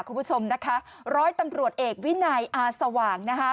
คุณผู้ชมนะคะร้อยตำรวจเอกวินัยอาสว่างนะคะ